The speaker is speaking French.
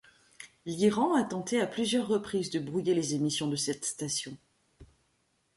L'Iran a tenté à plusieurs reprises de brouiller les émissions de cette station.